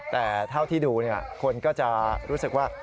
แต่เท่าที่ดูคนก็จะรู้สึกว่า